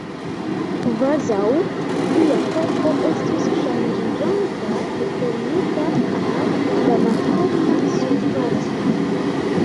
Kvazaŭ lia korpo estus ŝanĝiĝanta de fermita al malferma surfaco.